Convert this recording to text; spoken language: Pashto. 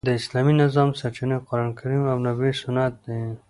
د اسلامي نظام سرچینې قران کریم او نبوي سنت دي.